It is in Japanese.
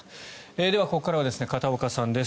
ではここからは片岡さんです。